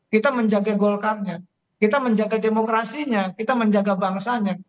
kita menjaga golkarnya kita menjaga demokrasinya kita menjaga bangsanya